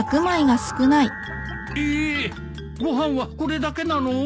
えーっご飯はこれだけなの？